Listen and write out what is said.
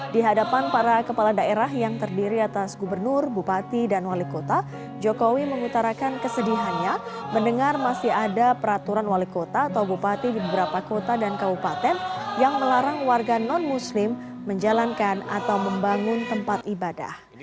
di hadapan para kepala daerah yang terdiri atas gubernur bupati dan wali kota jokowi mengutarakan kesedihannya mendengar masih ada peraturan wali kota atau bupati di beberapa kota dan kabupaten yang melarang warga non muslim menjalankan atau membangun tempat ibadah